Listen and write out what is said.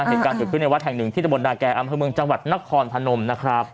เห็นการเก็บขึ้นในวัดแห่ง๑ที่ตะบนดาแกอำเภอเมืองจังหวัดนครธานมนะครับ